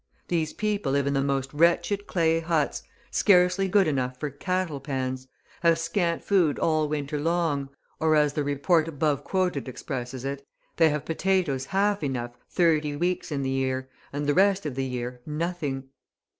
These people live in the most wretched clay huts, scarcely good enough for cattle pens, have scant food all winter long, or, as the report above quoted expresses it, they have potatoes half enough thirty weeks in the year, and the rest of the year nothing.